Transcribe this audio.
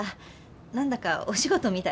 何だかお仕事みたいだけど。